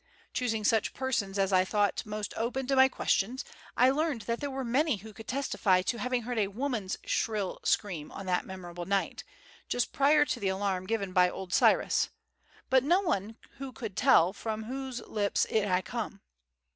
Choosing such persons as I thought most open to my questions, I learned that there were many who could testify to having heard a woman's shrill scream on that memorable night, just prior to the alarm given by old Cyrus, but no one who could tell from whose lips it had come.